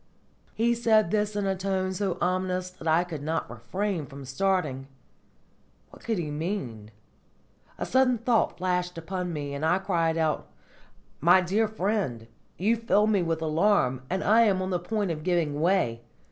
He said this in a tone so ominous that I could not refrain from starting. What could he mean? A sudden thought flashed upon me, and I cried aloud: "My dear friend, you fill me with alarm, and I am on the point of giving way!